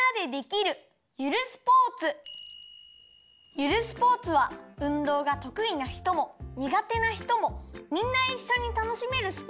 ゆるスポーツはうんどうがとくいなひともにがてなひともみんないっしょにたのしめるスポーツだよ。